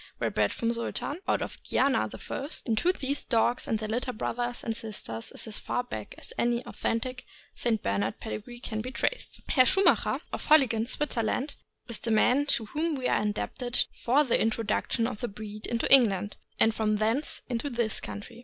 were bred from Sultan, out of Diana I. , and to these dogs and their litter brothers and sisters is as far back as any authentic St. Bernard pedigree can be traced. Herr Schumacher, of Holligen, Switzerland, is the man to whom we are indebted for the introduction of the breed into England, and from thence into this country.